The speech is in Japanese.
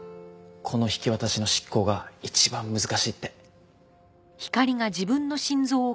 子の引き渡しの執行が一番難しいって。